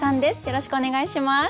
よろしくお願いします。